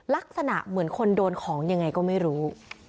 ลักษณะเหมือนคนโดนของยังไงก็ไม่รู้